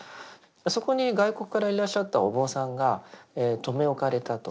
そこに外国からいらっしゃったお坊さんが留め置かれたと。